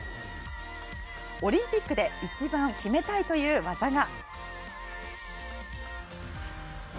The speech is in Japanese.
オリンピックで一番決めたいという技が。